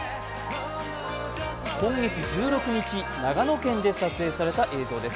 今月１６日、長野県で撮影された映像です。